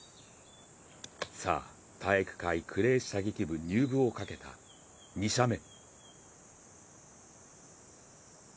さぁ、体育会クレー射撃部入部をかけた２射目。